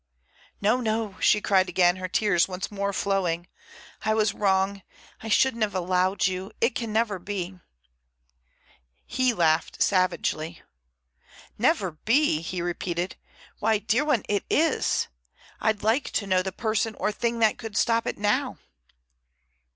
"No, no," she cried again, her tears once more flowing. "I was wrong. I shouldn't have allowed you. It can never be." He laughed savagely. "Never be?" he repeated. "Why, dear one, it is. I'd like to know the person or thing that could stop it now!"